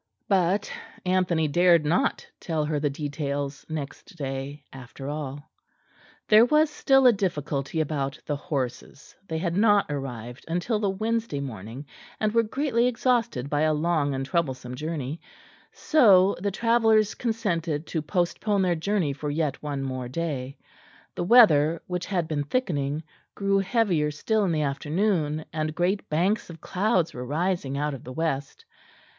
But Anthony dared not tell her the details next day, after all. There was still a difficulty about the horses; they had not arrived until the Wednesday morning, and were greatly exhausted by a long and troublesome journey; so the travellers consented to postpone their journey for yet one more day. The weather, which had been thickening, grew heavier still in the afternoon, and great banks of clouds were rising out of the west.